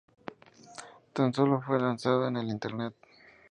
Tan solo fue lanzado en el Internet.